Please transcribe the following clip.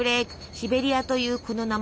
シベリアというこの名前。